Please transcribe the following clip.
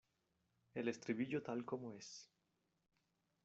el estribillo tal como es.